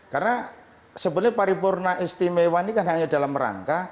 karena sebetulnya paripurna istimewa ini kan hanya dalam rangka